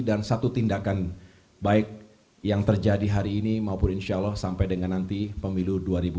dan satu tindakan baik yang terjadi hari ini maupun insyaallah sampai dengan nanti pemilu dua ribu dua puluh empat